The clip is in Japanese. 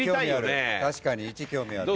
確かに１興味ある。